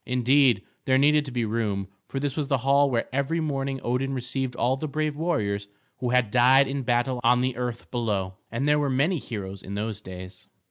Indeed, there needed to be room, for this was the hall where every morning Odin received all the brave warriors who had died in battle on the earth below; and there were many heroes in those days.